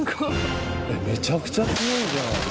めちゃくちゃ強いじゃん。